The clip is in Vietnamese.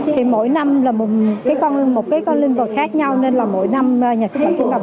thì mỗi năm là một cái con một cái con linh vật khác nhau nên là mỗi năm nhà xuất bản chủ động